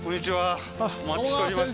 お待ちしておりました。